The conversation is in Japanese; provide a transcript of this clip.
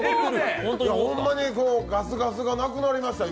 ホンマにガスガスがなくなりました。